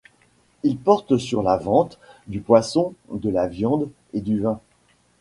Il porte sur la vente du poisson, de la viande et du vin.